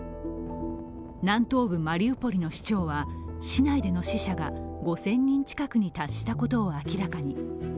南東部マリウポリの市長は市内での死者が５０００人近くに達したことを明らかに。